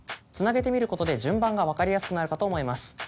つなげてみることで順番が分かりやすくなるかと思います。